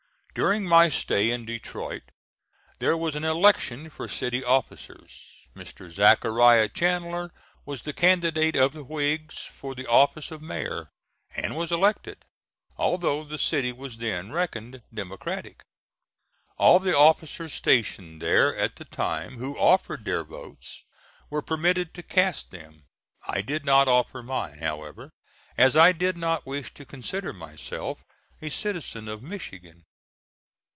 During my stay in Detroit there was an election for city officers. Mr. Zachariah Chandler was the candidate of the Whigs for the office of Mayor, and was elected, although the city was then reckoned democratic. All the officers stationed there at the time who offered their votes were permitted to cast them. I did not offer mine, however, as I did not wish to consider myself a citizen of Michigan.